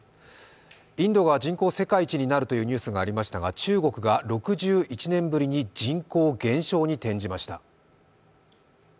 インドが人口世界一になるというニュースがありましたが中国が６１年ぶりに人口減少に転じました。